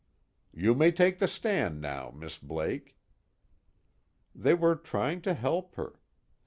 _ "You may take the stand now, Miss Blake." They were trying to help her.